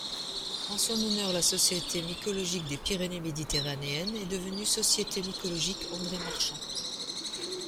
En son honneur, la Société mycologique des Pyrénées méditerranéennes est devenue Société mycologique André-Marchand.